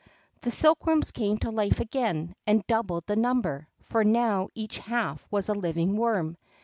The silkworms came to life again, and doubled the number, for now each half was a living worm.